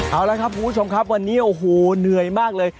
เอาละครับคุณผู้ชมครับวันนี้โอ้โหเหนื่อยมากเลย